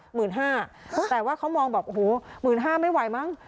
หมื่นห้าแต่ว่าเขามองบอกโอ้โหหมื่นห้าไม่ไหวมั้ง